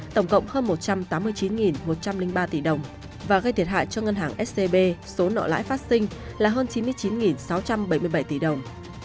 tổng cộng hơn một trăm tám mươi chín một trăm linh ba tỷ đồng và gây thiệt hại cho ngân hàng scb số nợ lãi phát sinh là hơn chín mươi chín sáu trăm bảy mươi bảy tỷ đồng